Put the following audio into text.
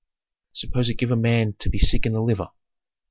"Suppose a given man to be sick in the liver.